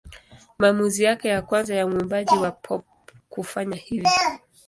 Maamuzi yake ya kwanza ya mwimbaji wa pop kufanya hivyo.